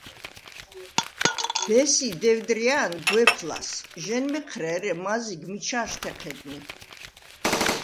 ბესი დევდრია̄ნ გვეფ ლას: ჟ’ენმეჴრე, ერე მაზიგ მიჩა̄შთე ჴედნი.